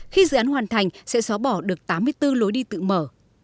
khi dự án hoàn thành sẽ xóa bỏ được tám mươi bốn lối đi tự mở